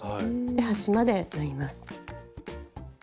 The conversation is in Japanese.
端まで縫います。